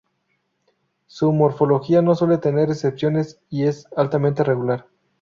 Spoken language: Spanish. Su morfología no suele tener excepciones y es altamente regular.